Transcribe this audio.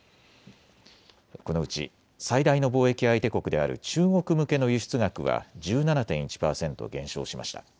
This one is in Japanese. このうち最大の貿易相手国である中国向けの輸出額は１７．１％減少しました。